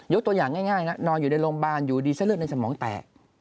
ตัวอย่างง่ายนะนอนอยู่ในโรงพยาบาลอยู่ดีเส้นเลือดในสมองแตก